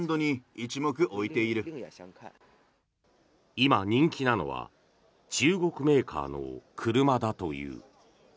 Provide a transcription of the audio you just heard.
今、人気なのは中国メーカーの車だという。